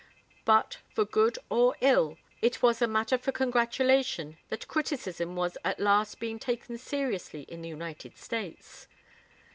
But for good or ill, it was a matter for congratulation that criticism was at last being taken seriously in the United States.